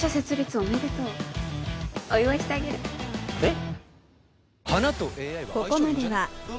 おめでとうお祝いしてあげるえっ？